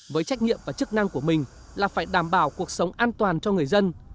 với trách nhiệm và chức năng của mình là phải đảm bảo cuộc sống an toàn cho người dân